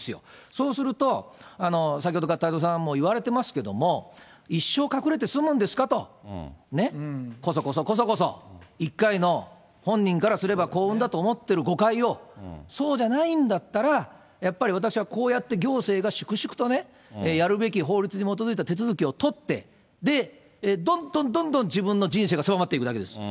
そうすると、先ほどから太蔵さんも言われてますけれども、一生隠れて住むんですかと、こそこそこそこそ、一回の本人からすれば、幸運だと思ってる誤解を、そうじゃないんだったら、やっぱり私はこうやって行政が粛々とね、やるべき法律に基づいた手続きを取って、で、どんどんどんどん自分の人生が狭まっていくだけです。